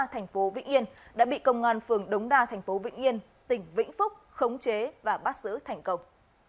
thành phố vĩnh yên đã bị công an phường đống đa thành phố vĩnh yên tỉnh vĩnh phúc khống chế và bắt giữ thành công